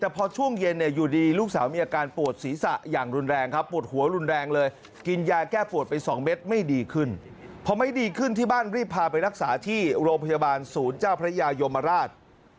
ไปนักศึกษาที่โรงพยาบาลศูนย์จ้าพระยายมราช